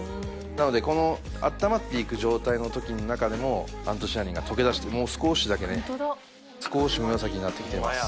なのでこの温まっていく状態の時の中でもアントシアニンが溶け出してもう少しだけ少し紫になってきています。